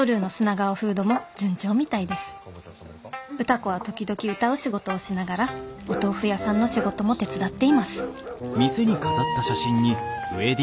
歌子は時々歌う仕事をしながらお豆腐屋さんの仕事も手伝っています」。